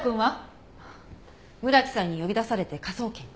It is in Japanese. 村木さんに呼び出されて科捜研に。